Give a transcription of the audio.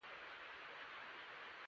دا په هېڅ ځانګړي دین پورې اړه نه لري.